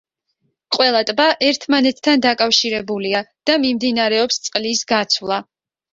ყველა ტბა ერთმანეთთან დაკავშირებულია და მიმდინარეობს წყლის გაცვლა.